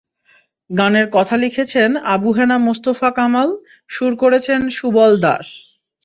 গানের কথা লিখেছেন আবু হেনা মোস্তফা কামাল, সুর করেছেন সুবল দাস।